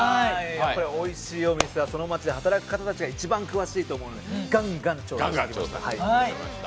おいしいお店はその街で働く人たちが一番詳しいと思うので、ガンガン調査してきました。